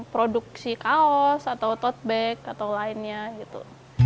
bikin produksi kaos atau tote bag atau lainnya gitu